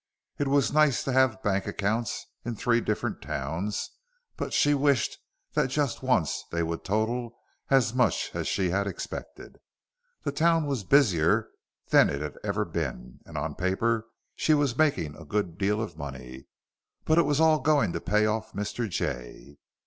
It was nice to have bank accounts in three different towns, but she wished that just once they would total as much as she had expected. The town was busier than it had ever been and on paper she was making a good deal of money; but it was all going to pay off Mr. Jay.